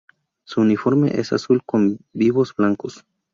Su uniforme es azul con vivos blancos.